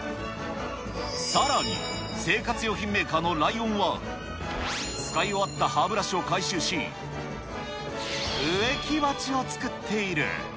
さらに生活用品メーカーのライオンは、使い終わった歯ブラシを回収し、植木鉢を作っている。